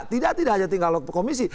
tidak hanya tinggal komisi